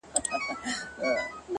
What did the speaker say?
د کندهار ماځيگره! ستا خبر نه راځي!